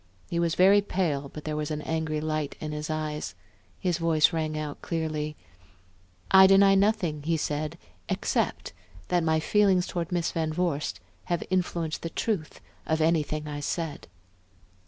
He was very pale, but there was an angry light in his eyes; his voice rang out clearly. "I deny nothing," he said, "except that my feelings toward Miss Van Vorst have influenced the truth of anything I said."